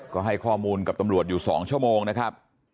ก็ให้ข้อมูลกับตำรวจอยู่๒ชั่วโมงนะครับ